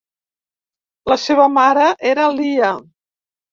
La seva mare era Lia.